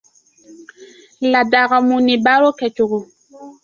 Ladagamunibaro kɛcogo